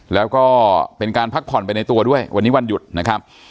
แล้วก็เป็นการพักผ่อนไปในตัวด้วยวันนี้วันหยุดนะครับ